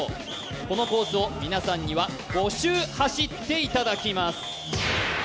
このコースを皆さんには５周走っていただきます。